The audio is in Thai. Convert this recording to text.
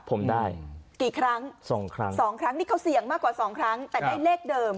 ผมได้กี่ครั้งสองครั้งสองครั้งนี่เขาเสี่ยงมากกว่าสองครั้งแต่ได้เลขเดิม